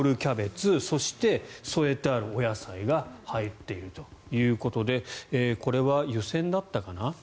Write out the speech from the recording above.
そして、添えてあるお野菜が入っているということでこれは湯煎だったかな？